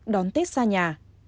đón tết ra nhà